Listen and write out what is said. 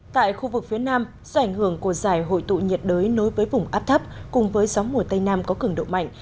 tại khu vực phía nam do ảnh hưởng của giải hội tụ nhiệt đới nối với vùng áp thấp cùng với gió mùa tây nam có cường độ mạnh